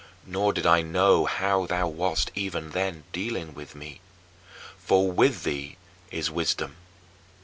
Nor did I know how thou wast even then dealing with me. For with thee is wisdom.